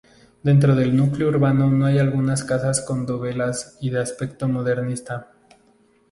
Dentro del núcleo urbano hay algunas casas con dovelas y de aspecto modernista.